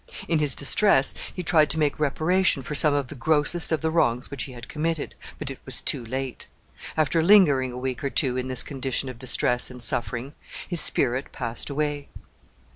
In his distress, he tried to make reparation for some of the grossest of the wrongs which he had committed, but it was too late. After lingering a week or two in this condition of distress and suffering, his spirit passed away.